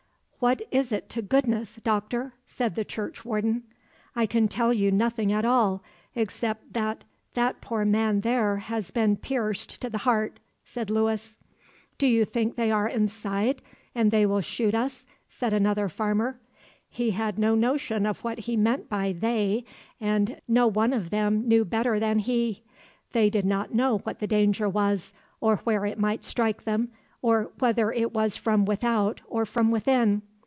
"What is it to goodness, doctor?" said the churchwarden. "I can tell you nothing at all—except that that poor man there has been pierced to the heart," said Lewis. "Do you think they are inside and they will shoot us?" said another farmer. He had no notion of what he meant by "they," and no one of them knew better than he. They did not know what the danger was, or where it might strike them, or whether it was from without or from within.